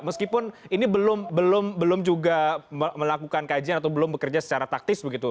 meskipun ini belum juga melakukan kajian atau belum bekerja secara taktis begitu